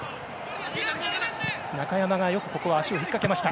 中山が、ここはよく足を引っかけました。